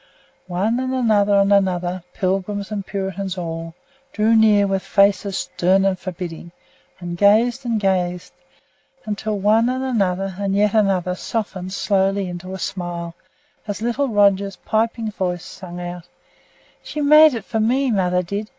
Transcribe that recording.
One and another and another, Pilgrims and Puritans all, drew near with faces stern and forbidding, and gazed and gazed, until one and another and yet another softened slowly into a smile as little Roger's piping voice sung out: "She made it for me, mother did.